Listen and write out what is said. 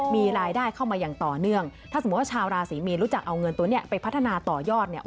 มีรายได้เข้ามาอย่างต่อเนื่องถ้าสมมุติว่าชาวราศรีมีนรู้จักเอาเงินตัวนี้ไปพัฒนาต่อยอดเนี่ย